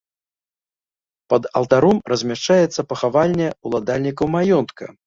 Пад алтаром размяшчаецца пахавальня ўладальнікаў маёнтка.